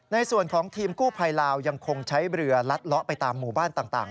ในส่วนของทีมกู้ภัยลาวยังคงใช้เรือลัดเลาะไปตามหมู่บ้านต่าง